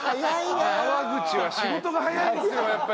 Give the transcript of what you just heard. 川口は仕事が早いですよやっぱり。